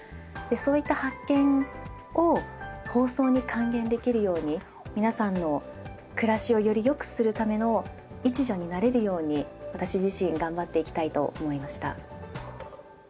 そういった発見を放送に還元できるように皆さんの暮らしをよりよくするための一助になれるように私自身頑張っていきたいと思いました。